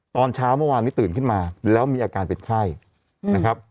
ตอนเช้าเมื่อวานนี้ตื่นขึ้นมาแล้วมีอาการเป็นไข้นะครับ